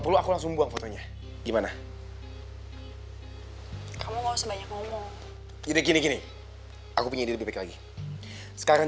perlu aku langsung buang fotonya gimana kamu ngomong gini gini aku punya di bagi sekarang